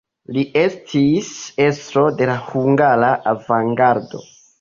Li estis estro de la hungara avangardo.